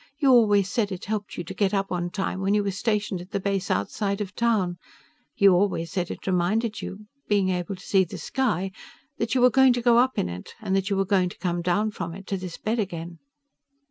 You always said it helped you to get up on time when you were stationed at the base outside of town. You always said it reminded you being able to see the sky that you were going to go up in it, and that you were going to come down from it to this bed again."